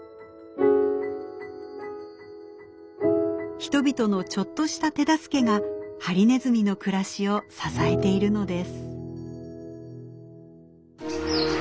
人々のちょっとした手助けがハリネズミの暮らしを支えているのです。